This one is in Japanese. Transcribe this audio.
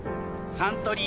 サントリー